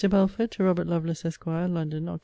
BELFORD, TO ROBERT LOVELACE, ESQ. LONDON, OCT.